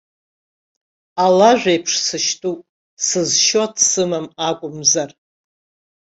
Алажә еиԥш сышьтәуп, сызшьуа дсымам акәымзар.